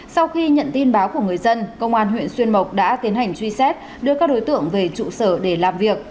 sau khi nhận tin báo của người dân công an huyện xuyên mộc đã tiến hành truy xét đưa các đối tượng về trụ sở để làm việc